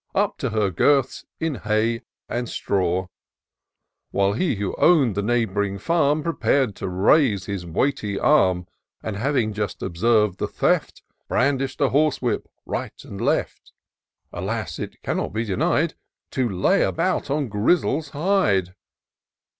Up to her girths in hay and straw : While he, who own'd the neighb'ring farm, Prepared to raise his weighty arm. IN SEARCH OF THE PICTURESQUE. 203 And having just observed the theft, Brandish'd a horsewhip right and left, (Alas ! it cannot be denied,) To lay about on Grizzle's hide.